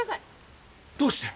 どうして？